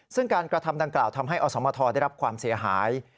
ซึ่งการกระทำดังกล่าวทำให้อสมทรได้รับความเสียหาย